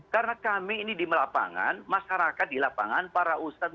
karena kami ini di lapangan masyarakat di lapangan para ustadz